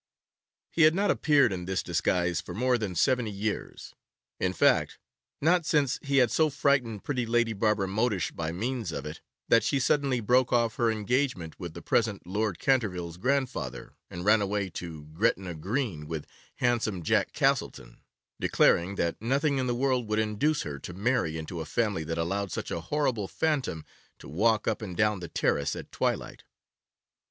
He had not appeared in this disguise for more than seventy years; in fact, not since he had so frightened pretty Lady Barbara Modish by means of it, that she suddenly broke off her engagement with the present Lord Canterville's grandfather, and ran away to Gretna Green with handsome Jack Castleton, declaring that nothing in the world would induce her to marry into a family that allowed such a horrible phantom to walk up and down the terrace at twilight.